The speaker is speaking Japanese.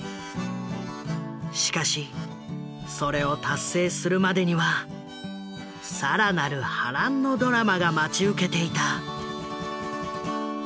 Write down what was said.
しかしそれを達成するまでには更なる波乱のドラマが待ち受けていた。